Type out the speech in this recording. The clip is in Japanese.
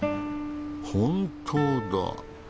本当だ！